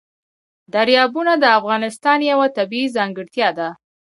دریابونه د افغانستان یوه طبیعي ځانګړتیا ده.